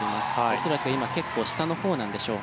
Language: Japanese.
恐らく今結構下のほうなんでしょう。